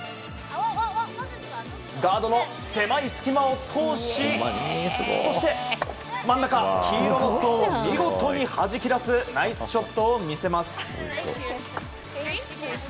ガードの狭い隙間を通しそして、真ん中の黄色のストーンを見事にはじき出すナイスショットを見せます。